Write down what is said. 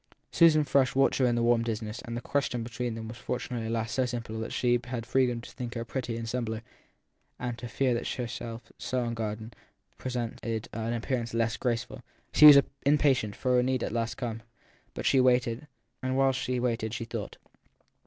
Susan Frush watched her in the warm dimness, and the question between them was fortunately at last so simple that she had freedom to think her pretty in slumber and to fear that she herself, so unguarded, presented an appear ance less graceful. She was impatient, for her need had at last come, but she waited, and while she waited she thought.